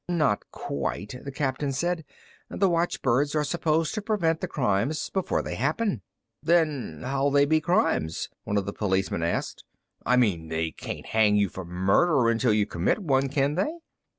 "Not quite," the captain said. "The watchbirds are supposed to prevent the crimes before they happen." "Then how'll they be crimes?" one of the policeman asked. "I mean they can't hang you for murder until you commit one, can they?"